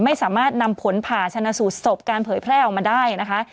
ไม่สามารถนำผลผ่าชนะสูตรศพการเผยแพร่ออกมาได้นะคะ